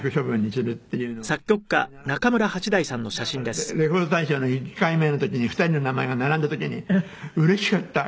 だからレコード大賞の日１回目の時に２人の名前が並んだ時にうれしかった。